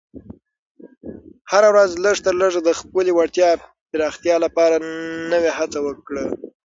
هره ورځ لږ تر لږه د خپلې وړتیا پراختیا لپاره نوې هڅه وکړه.